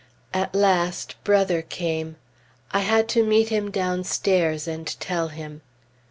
At last Brother came. I had to meet him downstairs and tell him.